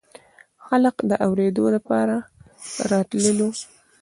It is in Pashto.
خلق د اورېدو دپاره راتللو